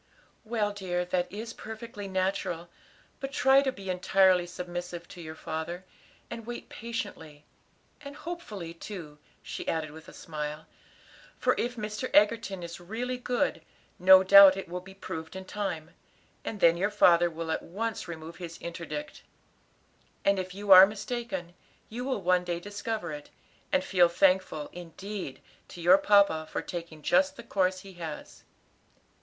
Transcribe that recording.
"Well, dear, that is perfectly natural, but try to be entirely submissive to your father, and wait patiently; and hopefully too," she added with a smile; "for if Mr. Egerton is really good, no doubt it will be proved in time, and then your father will at once remove his interdict. And if you are mistaken, you will one day discover it, and feel thankful, indeed, to your papa for taking just the course he has."